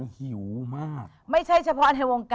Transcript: ชุดลายเสือของคุณ